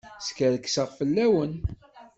Skerkseɣ fell-awen.